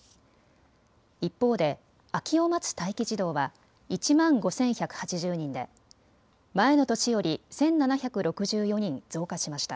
一方で空きを待つ待機児童は１万５１８０人で前の年より１７６４人増加しました。